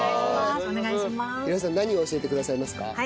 宏恵さん何を教えてくださいますか？